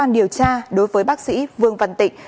điều tra đối với bác sĩ vương văn tịnh